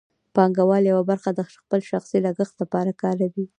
پانګوال یوه برخه د خپل شخصي لګښت لپاره کاروي